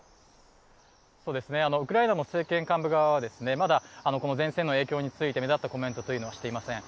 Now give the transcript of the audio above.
ウクライナの政権幹部側はまだこの前線の影響について目立ったコメントはしていません。